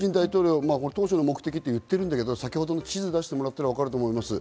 プーチン大統領、当初の目的と言ってるけど先程の地図を出してもらったら、わかると思います。